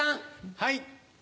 はい。